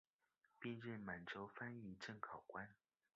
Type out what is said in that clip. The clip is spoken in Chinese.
并任满洲翻译正考官。